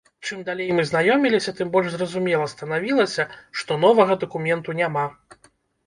Чым далей мы знаёміліся, тым больш зразумела станавілася, што новага дакументу няма.